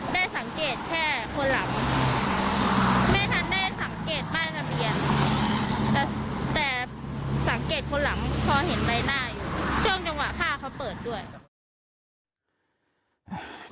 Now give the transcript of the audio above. ช่วงจังหวะฆ่าเขาเปิดด้วย